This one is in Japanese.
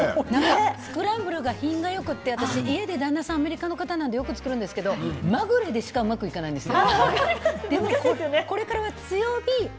スクランブルが品がよくて私、旦那さんがアメリカの人だからよく作るんですけどまぐれでしかうまくできないんですよ